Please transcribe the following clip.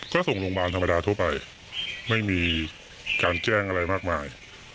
ก็ส่งโรงพยาบาลธรรมดาทั่วไปไม่มีการแจ้งอะไรมากมาย